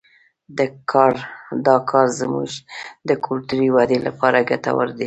دا کار زموږ د کلتوري ودې لپاره ګټور دی